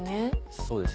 そうですね。